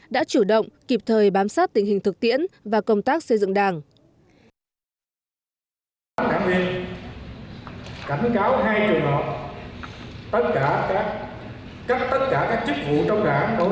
đã chủ động kịp thời bám sát tình hình thực tiễn và công tác xây dựng đảng